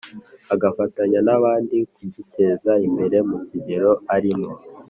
agafatanya n'abandi kugiteza imbere mu kigero arimo